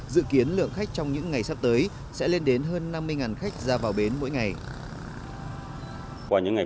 dự kiến lượng khách trong những ngày sắp tới sẽ lên đến hơn năm mươi khách ra vào bến mỗi ngày